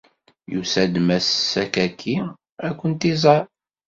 Yusa-d Mass Sakaki ad kent-iẓeṛ.